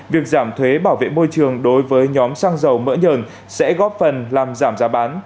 việc giảm thuế bảo vệ môi trường đối với nhóm xăng dầu mỡ nhờn sẽ góp phần làm giảm giá bán